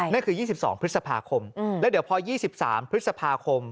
นั่นคือ๒๒พฤษภาคมแล้วเดี๋ยวพอ๒๓พฤษภาคม